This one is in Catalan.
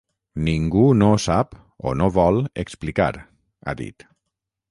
Ningú no ho sap o no vol explicar, ha dit.